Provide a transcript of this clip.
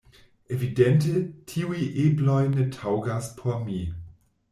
Evidente, tiuj ebloj ne taŭgas por mi.